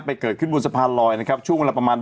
เกิดขึ้นบนสะพานลอยนะครับช่วงเวลาประมาณ